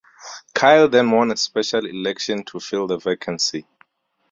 Kyl then won a special election to fill the vacancy.